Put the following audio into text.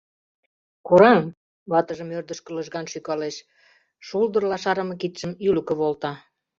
— Кораҥ! — ватыжым ӧрдыжкӧ лыжган шӱкалеш, шулдырла шарыме кидшым ӱлыкӧ волта.